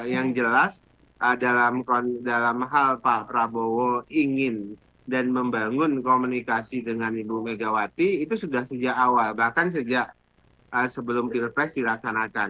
yang jelas dalam hal pak prabowo ingin dan membangun komunikasi dengan ibu megawati itu sudah sejak awal bahkan sejak sebelum pilpres dilaksanakan